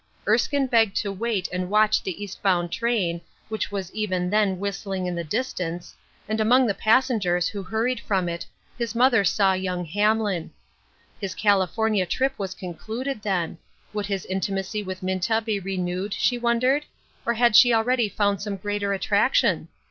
Erskine begged to wait and watch the east bound train, which was even then whistling in the distance, and among the passengers who hurried from it his mother saw young Hamlin. His California trip was concluded, then; would his intimacy with Minta be renewed, she wondered, or had she already found some greater attraction